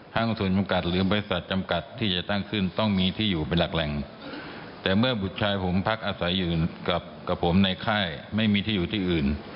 ทั้งส่วนจำกัดหรือบริษัทจำกัดที่จะตั้งขึ้นต้องมีที่อยู่เป็นหลักแหล่งแต่เมื่อบุตรชายผมพักอาศัยอื่นกับผมในค่ายไม่มีที่อยู่ที่อื่น